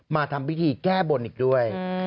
มาทำพิธีแก้บนอีกด้วย